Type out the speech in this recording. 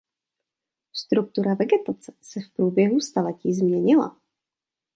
Struktura vegetace se v průběhu staletí změnila.